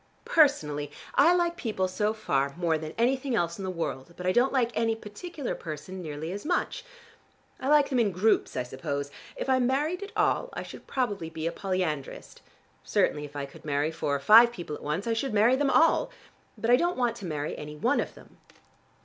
Personally I like people so far more than anything else in the world, but I don't like any particular person nearly as much. I like them in groups I suppose. If I married at all, I should probably be a polyandrist. Certainly if I could marry four or five people at once, I should marry them all. But I don't want to marry any one of them."